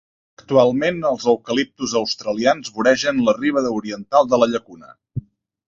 Actualment, els eucaliptus australians voregen la riba oriental de la llacuna.